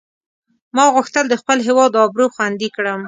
ما غوښتل د خپل هیواد آبرو خوندي کړم.